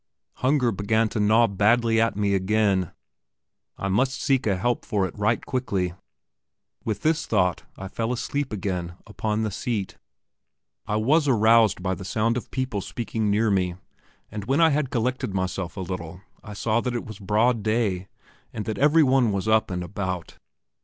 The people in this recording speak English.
Hunger began to gnaw badly at me again; I must seek a help for it right quickly. With this thought I fell asleep again upon the seat.... I was aroused by the sound of people speaking near me, and when I had collected myself a little I saw that it was broad day, and that every one was up and about.